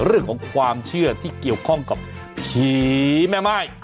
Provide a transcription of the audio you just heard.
เรื่องของความเชื่อที่เกี่ยวข้องกับผีแม่ม่าย